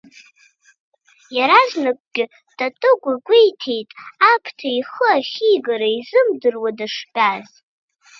Иаразнакгьы Татыгә игәеиҭеит Аԥҭа ихы ахьигара изымдыруа дыштәаз.